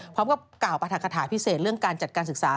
พร้อมกับกล่าวปรัฐคาถาพิเศษเรื่องการจัดการศึกษา